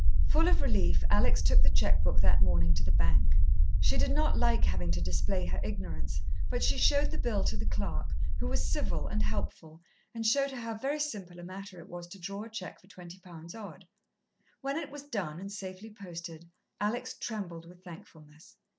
Full of relief, Alex took the cheque book that morning to the bank. She did not like having to display her ignorance, but she showed the bill to the clerk, who was civil and helpful, and showed her how very simple a matter it was to draw a cheque for twenty pounds odd. When it was done, and safely posted, Alex trembled with thankfulness.